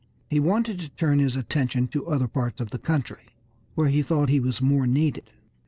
He wanted to turn his attention to other parts of the country, where he thought he was more needed.